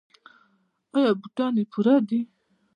ایا بوټان یې پوره دي؟